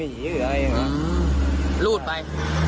หือลูดไป